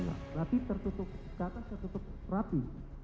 berarti tertutup kata tertutup rapi